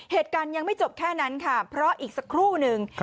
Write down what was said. เหตุการณ์ยังไม่จบแค่นั้นค่ะเพราะอีกสักครู่นึง